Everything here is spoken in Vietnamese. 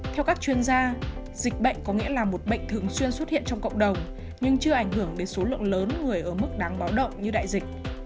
theo các chuyên gia dịch bệnh có nghĩa là một bệnh thường xuyên xuất hiện trong cộng đồng nhưng chưa ảnh hưởng đến số lượng lớn người ở mức đáng báo động như đại dịch